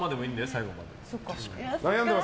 最後まで。